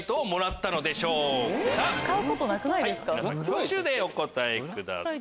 挙手でお答えください。